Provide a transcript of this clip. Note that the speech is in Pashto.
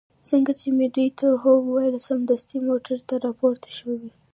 څنګه چې مې دوی ته هو وویل، سمدستي موټر ته را پورته شوې.